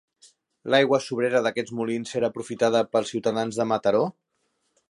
L'aigua sobrera d'aquests molins era aprofitada pels ciutadans de Mataró.